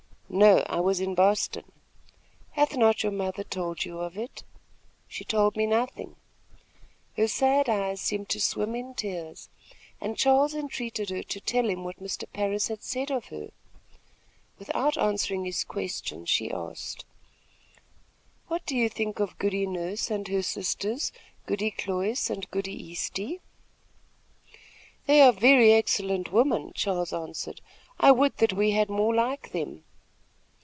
"No; I was in Boston." "Hath not your mother told you of it?" "She told me nothing." Her sad eyes seemed to swim in tears, and Charles entreated her to tell him what Mr. Parris had said of her. Without answering his question, she asked: "What do you think of Goody Nurse and her sisters, Goody Cloyse and Goody Easty?" "They are very excellent women," Charles answered, "I would that we had more like them."